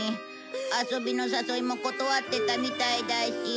遊びの誘いも断ってたみたいだし。